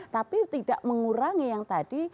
tapi tidak mengurangi yang tadi